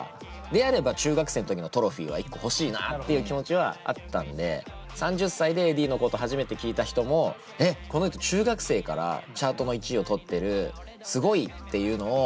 であれば中学生の時のトロフィーは１個欲しいなっていう気持ちはあったんで３０歳でｅｄｈｉｉｉのこと初めて聞いた人も「えっこの人中学生からチャートの１位を取ってる！